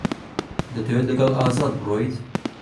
دەتەوێت لەگەڵ ئازاد بڕۆیت؟